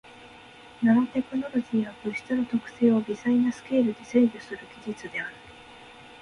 ナノテクノロジーは物質の特性を微細なスケールで制御する技術である。